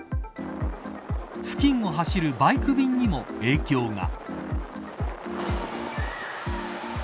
付近を走るバイク便にも影響が。